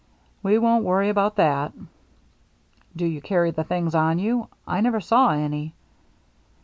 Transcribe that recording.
" We won't worry about that." " Do you carry the things on you ? I never saw any."